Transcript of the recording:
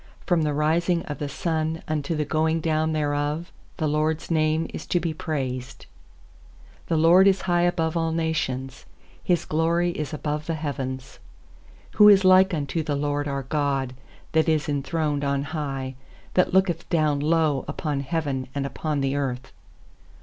3From the rising of the sun unto the going down thereof The LORD'S name is to be praised. 4The LORD is high above all nations, His glory is above the heavens. 5Who is like unto the LORD our God, That is enthroned on high, 6That looketh down low Upon heaven and upon the earth?